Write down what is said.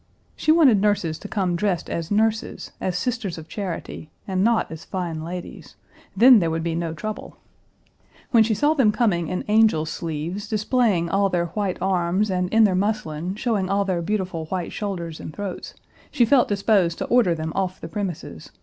She wanted nurses to come dressed as nurses, as Sisters of Charity, and not as fine ladies. Then there would be no trouble. When she saw them Page 204 coming in angel sleeves, displaying all their white arms and in their muslin, showing all their beautiful white shoulders and throats, she felt disposed to order them off the premises.